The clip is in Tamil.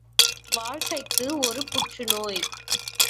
வாழ்க்கைக்கு ஒரு புற்றுநோய்!